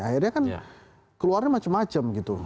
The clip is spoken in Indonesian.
akhirnya kan keluarnya macam macam gitu